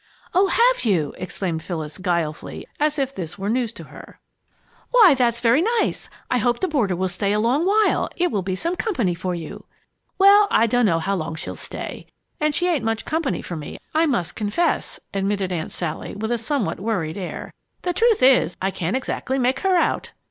"Oh, have you!" exclaimed Phyllis, guilefully, as if it were all news to her. "Why, that's very nice. I hope the boarder will stay a long while. It will be some company for you." "Well, I dunno how long she'll stay, and she ain't much company for me, I must confess!" admitted Aunt Sally, with a somewhat worried air. "The truth is, I can't exactly make her out."